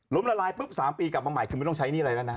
ละลายปุ๊บ๓ปีกลับมาใหม่คือไม่ต้องใช้หนี้อะไรแล้วนะ